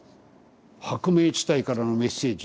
「薄明地帯からのメッセージ」